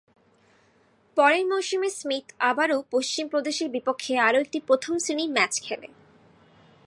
পরের মৌসুমে স্মিথ আবারও পশ্চিম প্রদেশের বিপক্ষে আরো একটি প্রথম শ্রেণীর ম্যাচ খেলে।